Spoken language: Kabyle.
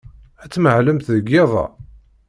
Ad tmahlemt deg yiḍ-a?